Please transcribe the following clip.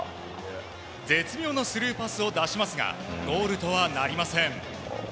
絶妙なスルーパスを出しますがゴールとはなりません。